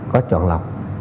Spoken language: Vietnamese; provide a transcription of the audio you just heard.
có chọn lọc